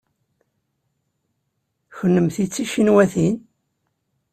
Kennemti d ticinwatin?